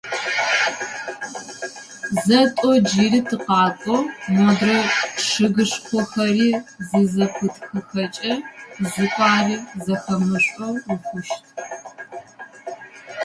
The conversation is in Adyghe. Зэ, тӏо джыри тыкъакӏоу, модрэ чъыгышхохэри зызэпытхыхэкӏэ, зыпари зэхэмышӏэу ухъущт.